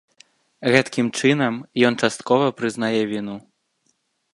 Гэткім чынам, ён часткова прызнае віну.